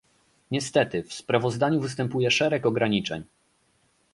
Niestety, w sprawozdaniu występuje szereg ograniczeń